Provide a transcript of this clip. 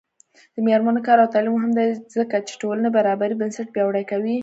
د میرمنو کار او تعلیم مهم دی ځکه چې ټولنې برابرۍ بنسټ پیاوړی کوي.